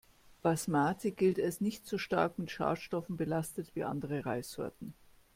Basmati gilt als nicht so stark mit Schadstoffen belastet wie andere Reissorten.